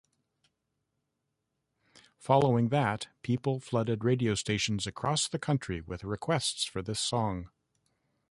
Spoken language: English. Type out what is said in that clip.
Following that people flooded radio stations across the country with requests for this song.